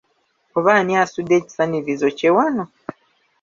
Oba ani asudde ekisanirizo kye wano?